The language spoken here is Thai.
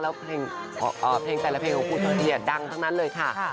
แล้วเพลงแต่ละเพลงของคุณเดียดังทั้งนั้นเลยค่ะ